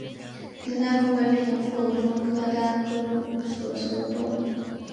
平单蛛为平腹蛛科单蛛属的动物。